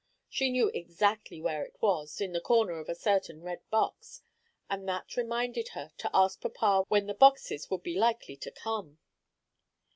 She knew exactly where it was, in the corner of a certain red box, and that reminded her to ask papa when the boxes would be likely to come.